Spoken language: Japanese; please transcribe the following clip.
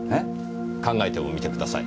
考えてもみてください。